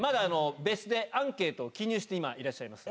別室でアンケートを記入していらっしゃいます。